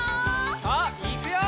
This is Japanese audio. さあいくよ！